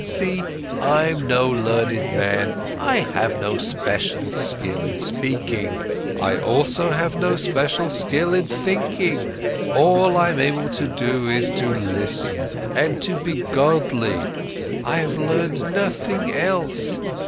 See, I'm no learned man, I have no special skill in speaking, I also have no special skill in thinking. All I'm able to do is to listen and to be godly, I have learned nothing else.